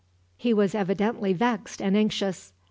He was evidently vexed and anxious.